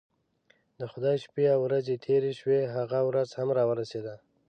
د خدای شپې او ورځې تیرې شوې هغه ورځ هم راورسېده.